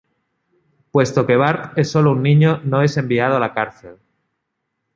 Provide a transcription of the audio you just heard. Puesto que Bart es solo un niño, no es enviado a la cárcel.